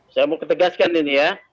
saya mau ketegaskan ini ya